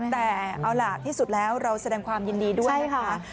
แต่เอาล่ะที่สุดแล้วเราแสดงความยินดีด้วยนะคะ